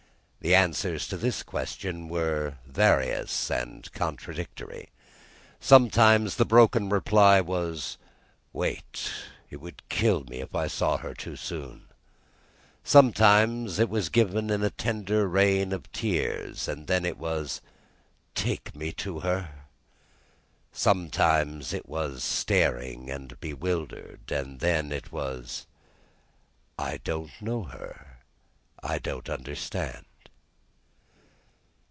The answers to this question were various and contradictory. Sometimes the broken reply was, "Wait! It would kill me if I saw her too soon." Sometimes, it was given in a tender rain of tears, and then it was, "Take me to her." Sometimes it was staring and bewildered, and then it was, "I don't know her. I don't understand."